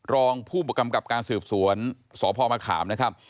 รองผู้กำกับการสืบสวนสพมะขามนะครับ